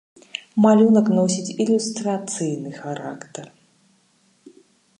Малюнак носіць ілюстрацыйны характар.